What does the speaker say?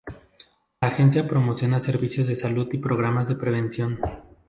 La agencia proporciona servicios de salud y programas de prevención.